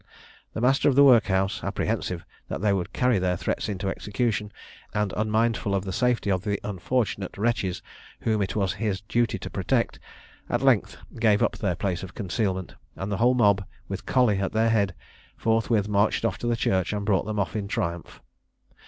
The master of the workhouse, apprehensive that they would carry their threats into execution, and unmindful of the safety of the unfortunate wretches whom it was his duty to protect, at length gave up their place of concealment; and the whole mob, with Colley at their head, forthwith marched off to the church and brought them off in triumph.